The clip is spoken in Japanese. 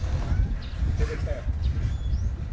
「出てきたよ」